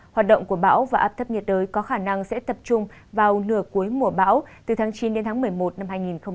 hoạt động của bão và áp thấp nhiệt đới có khả năng sẽ tập trung vào nửa cuối mùa bão từ tháng chín đến tháng một mươi một năm hai nghìn hai mươi